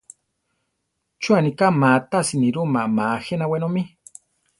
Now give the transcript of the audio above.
¿Chú aniká má tasi nirúma ma jéna wenómi?